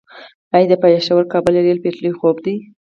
آیا د پیښور - کابل ریل پټلۍ خوب دی؟